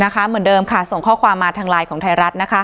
เหมือนเดิมค่ะส่งข้อความมาทางไลน์ของไทยรัฐ